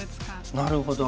なるほど。